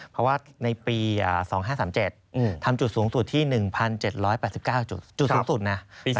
เพราะว่าในปี๒๕๓๗ทำจุดสูงสุดที่๑๗๘๙จุดสูงสุดนะ